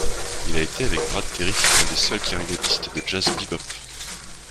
Il a été, avec Brad Terry, un des seuls clarinettistes de jazz bebop.